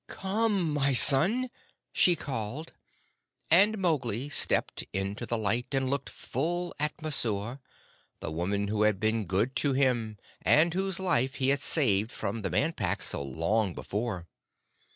"Come, my son," she called, and Mowgli stepped into the light, and looked full at Messua, the woman who had been good to him, and whose life he had saved from the Man Pack so long before.